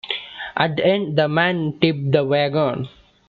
At the end the man tipped the wagon.